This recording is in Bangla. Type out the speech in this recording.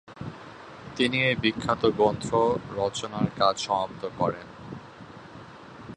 তিনি এই বিখ্যাত গ্রন্থ রচনার কাজ সমাপ্ত করেন।